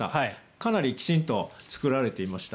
かなりきちんと作られていました。